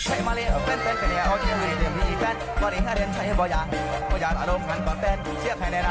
อ้าวจังสิละเนาะ